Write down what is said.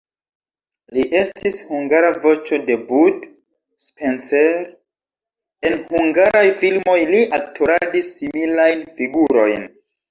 Li estis hungara voĉo de Bud Spencer, en hungaraj filmoj li aktoradis similajn figurojn.